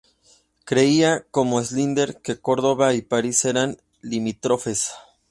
Creía, como Salinger, que Córdoba y París eran limítrofes.